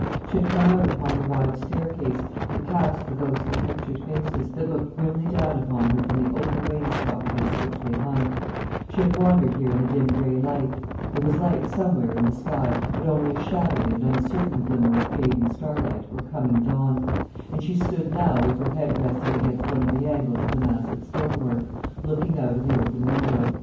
She had come out upon the wide staircase, and past the ghostly pictured faces, that looked grimly down upon her from the oaken wainscot against which they hung; she had wandered here in the dim grey light there was light somewhere in the sky, but only a shadowy and uncertain glimmer of fading starlight or coming dawn and she stood now with her head resting against one of the angles of the massive stonework, looking out of the open window.